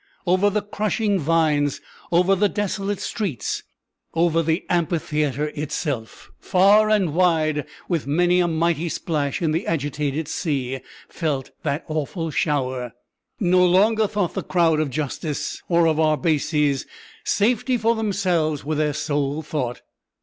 over the crushing vines, over the desolate streets, over the amphitheatre itself; far and wide, with many a mighty splash in the agitated sea, fell that awful shower! No longer thought the crowd of justice or of Arbaces; safety for themselves was their sole thought.